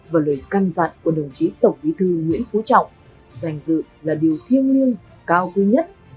và lời căn dặn của đồng chí tổng bí thư nguyễn phú trọng danh dự là điều thiêng liêng cao quý nhất